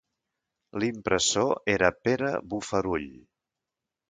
L'impressor era Pere Bofarull.